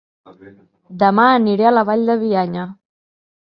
Dema aniré a La Vall de Bianya